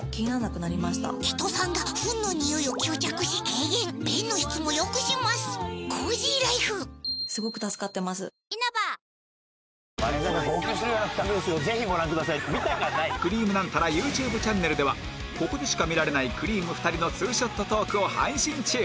『くりぃむナンタラ』ＹｏｕＴｕｂｅ チャンネルではここでしか見られないくりぃむ２人のツーショットトークを配信中